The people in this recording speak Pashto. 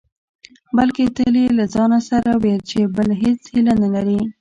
بلکې تل يې له ځانه سره ويل چې بله هېڅ هيله نه لري.